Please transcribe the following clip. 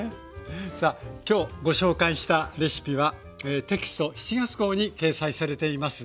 さあ今日ご紹介したレシピはテキスト７月号に掲載されています。